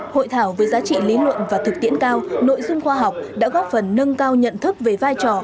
hội thảo với giá trị lý luận và thực tiễn cao nội dung khoa học đã góp phần nâng cao nhận thức về vai trò